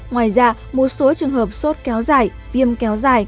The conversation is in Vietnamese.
ngoài ra một số trường hợp sốt kéo dài viêm kéo dài